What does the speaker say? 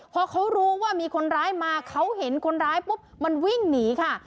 พอเขารู้ว่ามีคนร้ายมาเขาเห็นคนร้ายปุ๊บมันวิ่งหนีค่ะ